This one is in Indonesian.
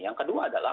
yang kedua adalah